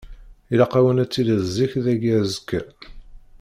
Ilaq-awen ad tiliḍ zik dagi azekka.